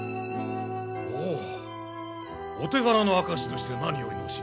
おおお手柄の証しとして何よりの品。